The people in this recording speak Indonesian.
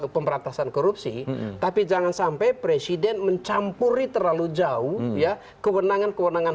pemberantasan korupsi tapi jangan sampai presiden mencampuri terlalu jauh ya kewenangan kewenangan